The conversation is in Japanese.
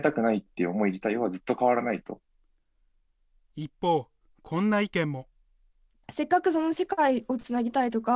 一方、こんな意見も。